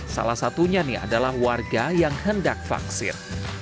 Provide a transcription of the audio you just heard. salah satunya nih adalah warga yang hendak vaksin